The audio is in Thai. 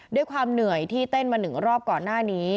ด้วยความเหนื่อยที่เต้นมา๑รอบก่อนหน้านี้